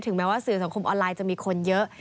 แม้ว่าสื่อสังคมออนไลน์จะมีคนเยอะ